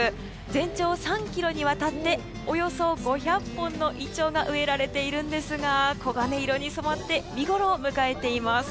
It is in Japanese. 全長３ｋｍにわたっておよそ５００本のイチョウが植えられているんですが黄金色に染まって見ごろを迎えています。